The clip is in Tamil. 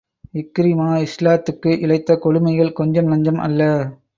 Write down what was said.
இக்ரிமா, இஸ்லாத்துக்கு இழைத்த கொடுமைகள் கொஞ்ச நஞ்சம் அல்ல.